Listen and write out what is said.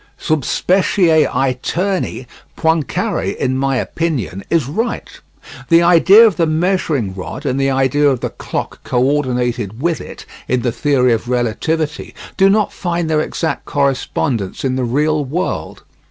Sub specie aeterni Poincare, in my opinion, is right. The idea of the measuring rod and the idea of the clock co ordinated with it in the theory of relativity do not find their exact correspondence in the real world.